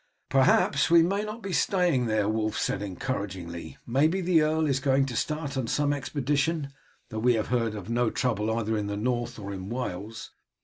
"Perhaps we may not be staying there," Wulf said encouragingly. "Maybe the earl is going to start on some expedition; though we have heard of no trouble, either in the North or in Wales.